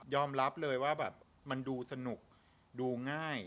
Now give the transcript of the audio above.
ยอมรับเลยว่ามันดูสนุกดูง่าย